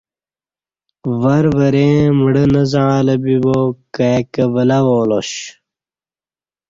ور وریں مڑہ نہ زعݩلہ بیبا کائیکہ ولہ والاش